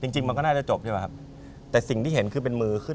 จริงจริงมันก็น่าจะจบใช่ไหมครับแต่สิ่งที่เห็นคือเป็นมือขึ้น